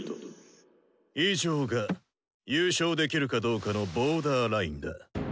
以上が優勝できるかどうかの「ボーダーライン」だ。